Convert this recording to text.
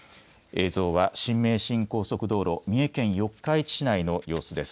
映像は新名神高速道路、三重県四日市市内の様子です。